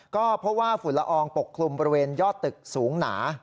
ก็เพราะว่าฝุ่นละอองปกคลุมบริเวณยอดตึกสูงหนา